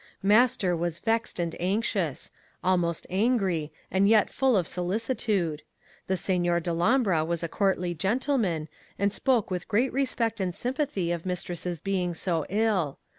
Master was vexed and anxious—almost angry, and yet full of solicitude. The Signor Dellombra was a courtly gentleman, and spoke with great respect and sympathy of mistress's being so ill.